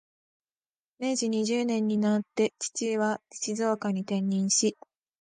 明治二十年になって、父は静岡に転任し、